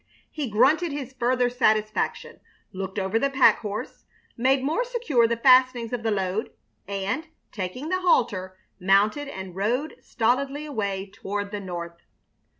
He grunted his further satisfaction, looked over the pack horse, made more secure the fastenings of the load, and, taking the halter, mounted and rode stolidly away toward the north.